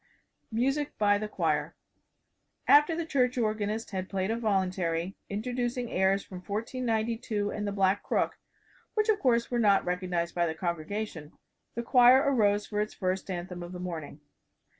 MUSIC BY THE CHOIR After the church organist had played a voluntary, introducing airs from "1492" and "The Black Crook" which, of course, were not recognized by the congregation the choir arose for its first anthem of the morning.